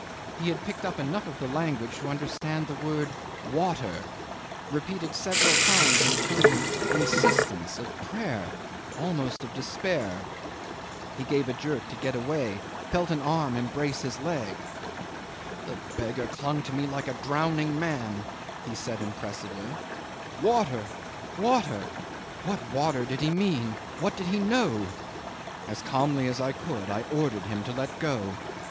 He had picked up enough of the language to understand the word water, repeated several times in a tone of insistence, of prayer, almost of despair. He gave a jerk to get away, and felt an arm embrace his leg. '"The beggar clung to me like a drowning man," he said impressively. "Water, water! What water did he mean? What did he know? As calmly as I could I ordered him to let go.